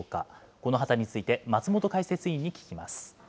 この旗について、松本解説委員に聞きます。